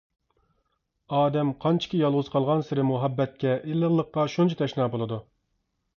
ئادەم قانچىكى يالغۇز قالغانسېرى مۇھەببەتكە، ئىللىقلىققا شۇنچە تەشنا بولىدۇ.